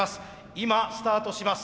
今スタートします。